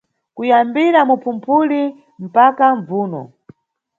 Kuyambira mu Phumphuli mpaka Mbvuno.